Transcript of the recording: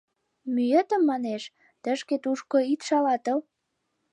— Мӱетым, манеш, тышке-тушко ит шалатыл.